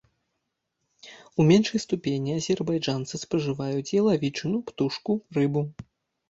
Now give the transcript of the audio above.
У меншай ступені азербайджанцы спажываюць ялавічыну, птушку, рыбу.